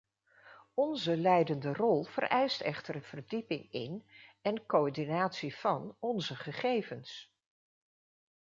Onze leidende rol vereist echter een verdieping in en coördinatie van onze gegevens.